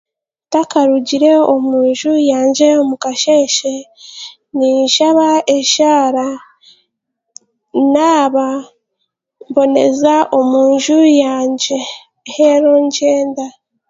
Ntakarugire omunju yangye omukasheeshe, ninshaaba eshaara, naaba mboneza omunju yangye reero ngyenda.